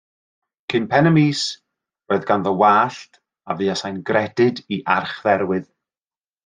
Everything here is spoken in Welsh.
Cyn pen y mis, yr oedd ganddo wallt a fuasai'n gredyd i Archdderwydd.